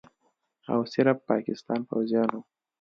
او صرف پاکستان پوځیانو